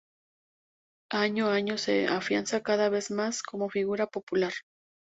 Año a año se afianza cada vez más, como figura popular.